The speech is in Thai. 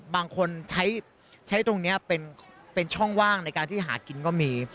บางคนใช้ตรงนี้เป็นช่องว่างในการที่หากินก็มี